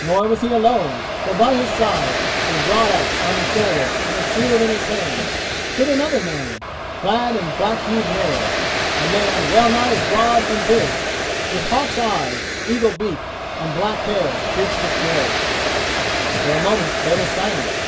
Nor was he alone, for by his side, a broad axe on his shoulder and shield in hand, stood another man, clad in black hued mail—a man well nigh as broad and big, with hawk's eyes, eagle beak, and black hair streaked with grey. For a moment there was silence.